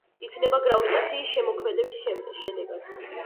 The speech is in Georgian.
იქმნება გრავიტაციის ზემოქმედების შედეგად.